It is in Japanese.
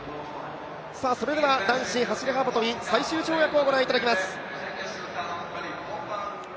男子走幅跳、最終跳躍をご覧いただきます。